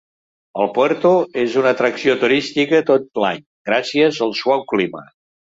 El Puerto és una atracció turística tot l'any, gràcies al suau clima.